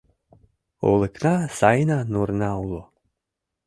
Олыкна сайына нурна уло